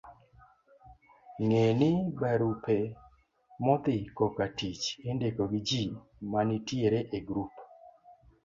Ng'e ni, barupe modhi kokatich indiko gi ji manitiere e grup